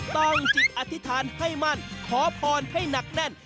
จิตอธิษฐานให้มั่นขอพรให้หนักแน่น